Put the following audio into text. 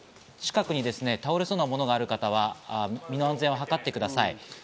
どうぞ近くに倒れそうなものがある方は身の安全をはかってください。